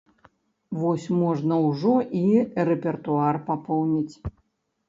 Вось можна ўжо і рэпертуар папоўніць.